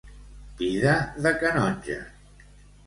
Vida de canonge.